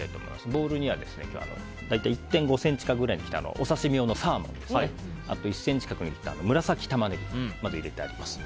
ボウルには大体１．５ｃｍ角に切ったお刺身用のサーモンと１ｃｍ角に切った紫タマネギを入れてあります。